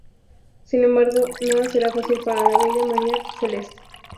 Sin embargo, nada será fácil para la bella María Celeste.